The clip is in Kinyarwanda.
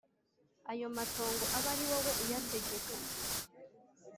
aya matongo abe ari wowe uyategeka!»